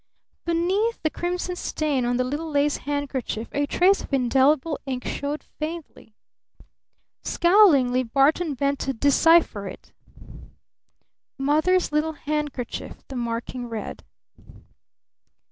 Beneath the crimson stain on the little lace handkerchief a trace of indelible ink showed faintly. Scowlingly Barton bent to decipher it. "Mother's Little Handkerchief," the marking read.